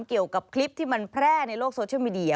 เกี่ยวกับคลิปที่มันแพร่ในโลกโซเชียลมีเดีย